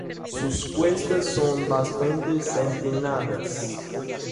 Sus cuestas son bastante empinadas.